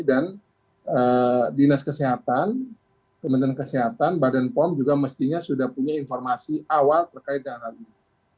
dinas kesehatan kementerian kesehatan badan pom juga mestinya sudah punya informasi awal terkait dengan hal ini